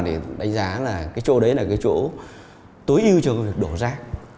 để đánh giá là chỗ đấy là chỗ tối ưu cho việc đổ rác